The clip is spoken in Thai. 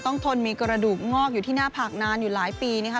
ทนมีกระดูกงอกอยู่ที่หน้าผากนานอยู่หลายปีนะคะ